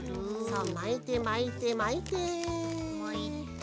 まいてまいてまいて。